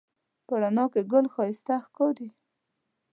په رڼا کې ګل ښایسته ښکاري